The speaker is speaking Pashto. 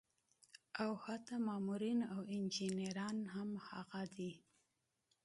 او حتا مامورين او انجينران هم هماغه دي